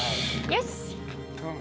よし。